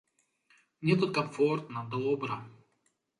Мне тут камфортна, добра.